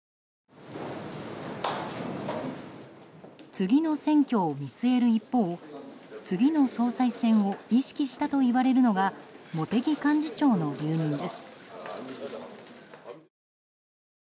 次の選挙を見据える一方次の総裁選を意識したといわれるのが茂木幹事長の留任です。